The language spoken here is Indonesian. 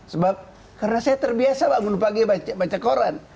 sebab karena saya terbiasa pak gunupagi baca koran